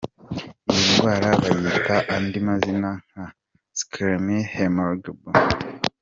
Iyi ndwara bayita andi mazina nka sicklémie, hémoglobinose S.